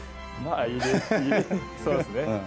まあそうですね。